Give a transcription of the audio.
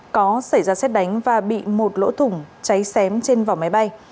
có xảy ra xét đánh và bị một lỗ thủng cháy xém trên vỏ máy bay